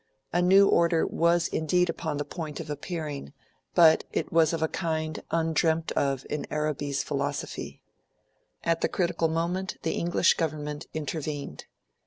A new order was indeed upon the point of appearing: but it was of a kind undreamt of in Arabi's philosophy. At the critical moment, the English Government intervened.